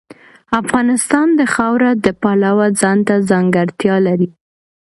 افغانستان د خاوره د پلوه ځانته ځانګړتیا لري.